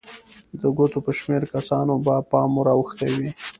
د ګوتو په شمېر کسانو به پام ور اوښتی وي.